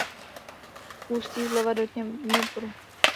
Ústí zleva do Dněpru.